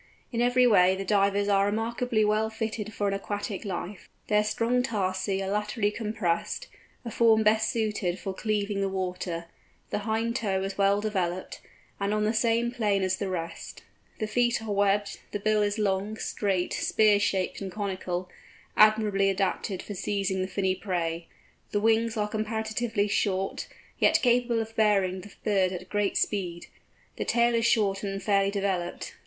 In every way the Divers are remarkably well fitted for an aquatic life. Their strong tarsi are laterally compressed, a form best suited for cleaving the water, the hind toe is well developed, and on the same plane as the rest, the feet are webbed, the bill is long, straight, spear shaped and conical, admirably adapted for seizing the finny prey, the wings are comparatively short, yet capable of bearing the bird at great speed, the tail is short and fairly developed.